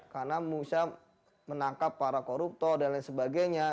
karena musyam menangkap para korupto dan lain sebagainya